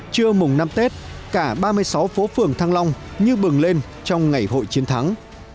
trưa mùng năm tết cả ba mươi sáu phố phường thăng long như bừng lên trong ngày hội chiến thắng